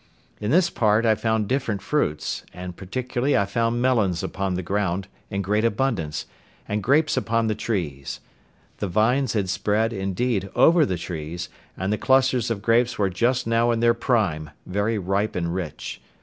In this part I found different fruits, and particularly I found melons upon the ground, in great abundance, and grapes upon the trees. The vines had spread, indeed, over the trees, and the clusters of grapes were just now in their prime, very ripe and rich.